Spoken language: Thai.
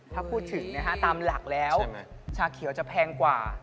ถ้าพูดถึงนะฮะตามหลักแล้วชาเขียวจะแพงกว่า